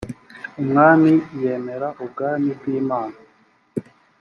umwami yemera ubwami bw’imana